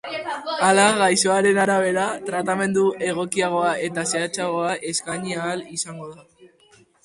Hala, gaixoaren arabera, tratamendu egokiagoa eta zehatzagoa eskaini ahal izango da.